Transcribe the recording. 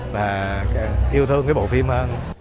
và yêu thương bộ phim hơn